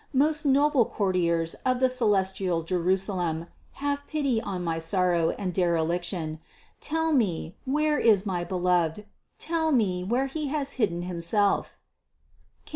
Most noble courtiers of the celestial Jerusalem, have pity on my sorrow and dereliction : tell me where is my Beloved ; tell me where He has hidden Himself (Cant.